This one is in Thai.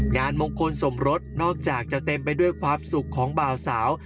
งานมงคลสมรสนอกจากจะเต็มไปด้วยความสุขของบ่าวสาว